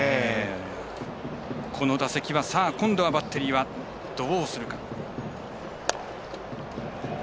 この打席、今度はバッテリーはどうするか。